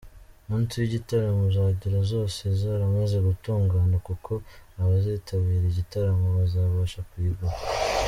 Umunsi w’igitaramo uzagera zose zaramaze gutungana kuko abazitabira igitaramo bazabasha kuyigura”.